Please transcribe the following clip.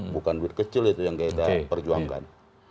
bukan duit kecil itu yang kita perjuangkan